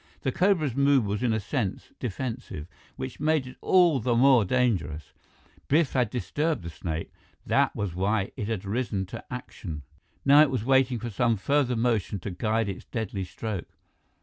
The cobra's mood was in a sense defensive, which made it all the more dangerous. Biff had disturbed the snake; that was why it had risen to action. Now it was waiting for some further motion to guide its deadly stroke.